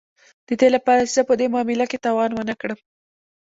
د دې لپاره چې زه په دې معامله کې تاوان ونه کړم